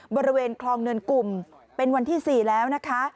บริเวณคลองเนินกลุ่มเป็นวันที่๔แล้วนะคะ